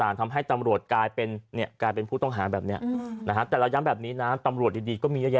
มันทำให้ตำรวจกลายเป็นผู้ต้องหารแบบนี้